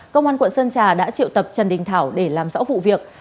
công an quận sơn trà đã triệu tập trần đình thảo để làm rõ vụ việc